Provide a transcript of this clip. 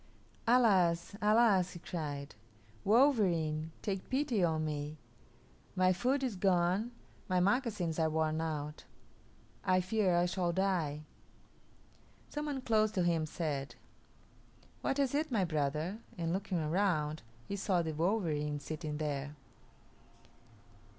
"Alas, alas!" he cried; "wolverene, take pity on me. My food is gone, my moccasins are worn out; I fear I shall die." Some one close to him said, "What is it, my brother?" and looking around, he saw the wolverene sitting there.